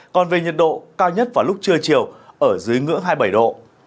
còn về nhiệt độ cao nhất vào lúc trưa chiều ở dưới ngưỡng hai mươi bảy độ